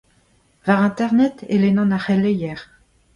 War Internet e lennan ar c'heleier.